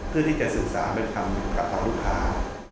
เพื่อที่จะศึกษาไปทำกับลูกค้า